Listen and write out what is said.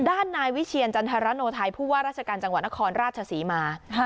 ด้านนายวิเชียรจันทรโนไทยผู้ว่าราชการจังหวัดนครราชศรีมา